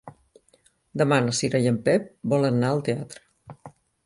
Demà na Cira i en Pep volen anar al teatre.